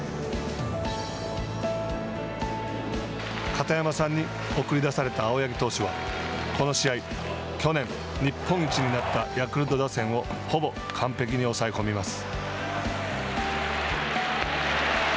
片山さんに送り出された青柳投手はこの試合、去年日本一になったヤクルト打線をほぼ完璧に抑え込みます。